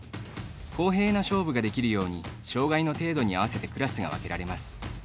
公平な勝負ができるように障がいの程度に合わせてクラスが分けられます。